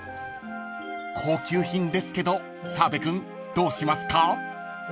［高級品ですけど澤部君どうしますか？］